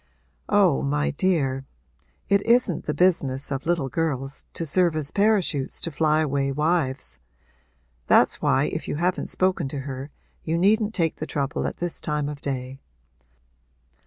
'Oh, my dear, it isn't the business of little girls to serve as parachutes to fly away wives! That's why if you haven't spoken to her you needn't take the trouble at this time of day.